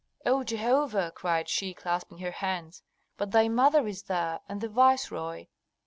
"O Jehovah!" cried she, clasping her hands. "But thy mother is there, and the viceroy!"